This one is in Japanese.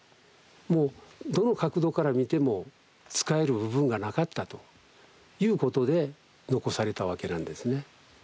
もうどの角度から見ても使える部分がなかったということで残されたわけなんですね。